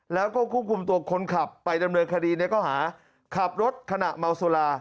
แล้วก็คุ้มกลุ่มตัวคนขับไปดำเนินคดีเนี่ยก็หาขับรถขณะเมาสุรา